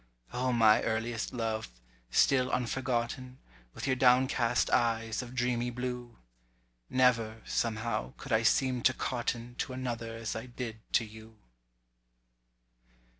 O my earliest love, still unforgotten, With your downcast eyes of dreamy blue! Never, somehow, could I seem to cotton To another as I did to you!